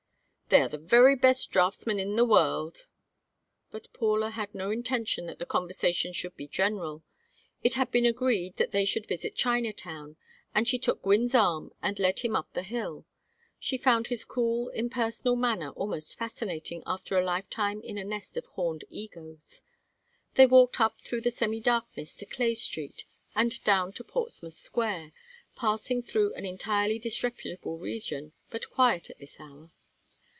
"They are the very best draughtsmen in the world " But Paula had no intention that the conversation should be general. It had been agreed that they should visit Chinatown, and she took Gwynne's arm and led him up the hill; she found his cool impersonal manner almost fascinating after a lifetime in a nest of horned egos. They walked up through the semi darkness to Clay Street and down to Portsmouth Square, passing through an entirely disreputable region, but quiet at this hour.